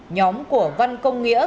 nhóm của văn công nghĩa